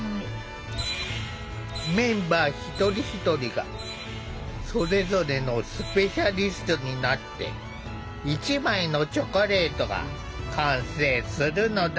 メンバー一人一人がそれぞれのスペシャリストになって１枚のチョコレートが完成するのだ。